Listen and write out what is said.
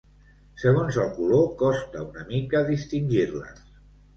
Segons el color costa una mica distingir-les.